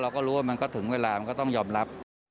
เราก็รู้ว่ามันก็ถึงเวลามันก็ต้องยอมรับ